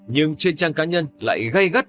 nhưng trên trang cá nhân lại gây gắt